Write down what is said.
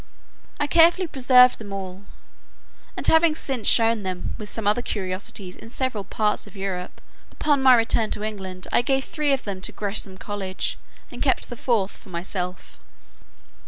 I carefully preserved them all; and having since shown them, with some other curiosities, in several parts of Europe, upon my return to England I gave three of them to Gresham College, and kept the fourth for myself.